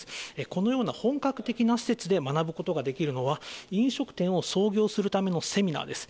このような本格的な施設で学ぶことができるのは、飲食店を創業するためのセミナーです。